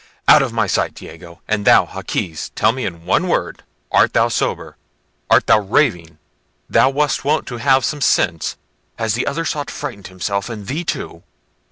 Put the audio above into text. Out of my sight, Diego! and thou, Jaquez, tell me in one word, art thou sober? art thou raving? thou wast wont to have some sense: has the other sot frightened himself and thee too?